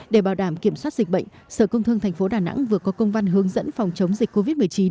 để bảo đảm kiểm soát dịch bệnh sở công thương tp đà nẵng vừa có công văn hướng dẫn phòng chống dịch covid một mươi chín